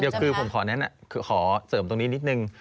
เดี๋ยวคือผมขอแนะนำคือขอเสริมตรงนี้นิดนึง